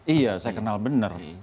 iya saya kenal bener